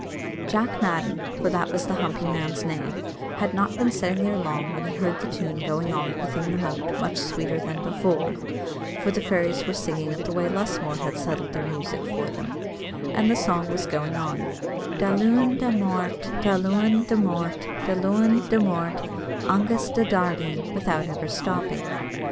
Jack Madden, for that was the humpy man's name, had not been sitting there long when he heard the tune going on within the moat much sweeter than before; for the fairies were singing it the way Lusmore had settled their music for them, and the song was going on: Da Luan, Da Mort, Da Luan, Da Mort, Da Luan, Da Mort, augus Da Dardeen, without ever stopping.